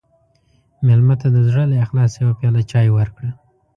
مېلمه ته د زړه له اخلاصه یوه پیاله چای ورکړه.